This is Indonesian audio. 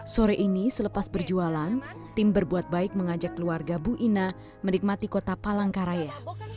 sore ini selepas berjualan tim berbuat baik mengajak keluarga bu ina menikmati kota palangkaraya